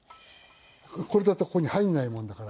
これだとここに入んないもんだから。